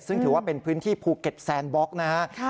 ซึ่งถือว่าเป็นพื้นที่ภูเก็ตแซนบล็อกนะฮะ